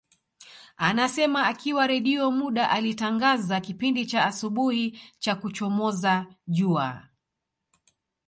Anasema akiwa Redio muda alitangaza kipindi cha asubuhi cha kuchomoza jua